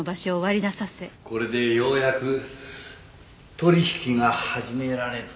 これでようやく取引が始められる。